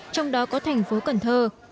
trong đó có thành phố cần thơ